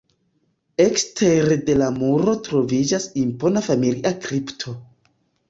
Ekstere de la muro troviĝas impona familia kripto.